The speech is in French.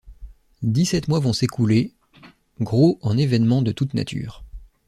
Dix-sept mois vont s'écouler, gros en événements de toute nature.